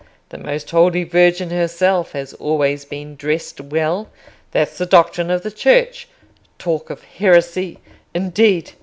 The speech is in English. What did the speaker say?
the most holy Virgin herself has always been dressed well; that's the doctrine of the Church:—talk of heresy, indeed!